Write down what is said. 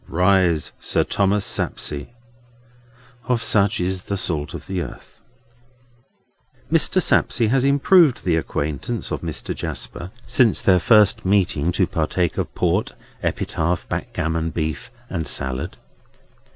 Rise, Sir Thomas Sapsea! Of such is the salt of the earth. Mr. Sapsea has improved the acquaintance of Mr. Jasper, since their first meeting to partake of port, epitaph, backgammon, beef, and salad.